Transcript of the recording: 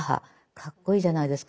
かっこいいじゃないですか。